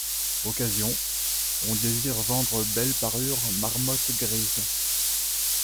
Occasion, on désire vendre belle parure marmotte grise.